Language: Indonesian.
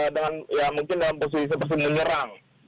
dengan mungkin dalam posisi sepenuhnya menyerang